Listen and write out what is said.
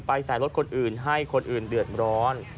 ใส่รถคนอื่นให้คนอื่นเดือดร้อน